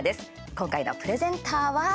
今回のプレゼンターは。